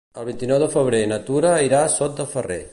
El vint-i-nou de febrer na Tura irà a Sot de Ferrer.